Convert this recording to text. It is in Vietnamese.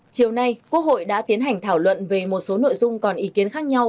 chiều nay quốc hội đã tiến hành thảo luận về một số nội dung còn ý kiến khác nhau